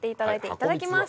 いただきます。